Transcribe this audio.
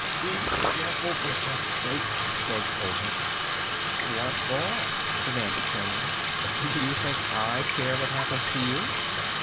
"Be careful, for Set's sake!" begged Olmec. "What for?" demanded Conan. "Do you think I care what happens to you?